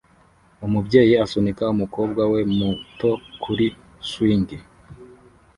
umubyeyi asunika umukobwa we muto kuri swing